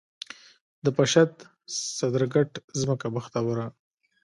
د پشد، صدرګټ ځمکه بختوره